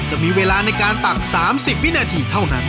จะมีเวลาในการตัก๓๐วินาทีเท่านั้น